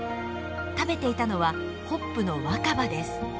食べていたのはホップの若葉です。